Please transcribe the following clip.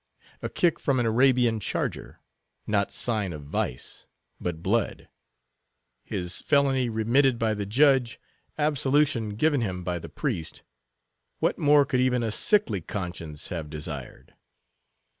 A kick from an Arabian charger; not sign of vice, but blood. His felony remitted by the judge, absolution given him by the priest, what more could even a sickly conscience have desired.